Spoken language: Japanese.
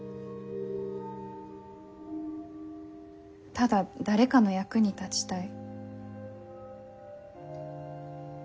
ただ誰かの役に立ちたい。